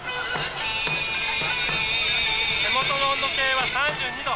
手元の温度計は３２度。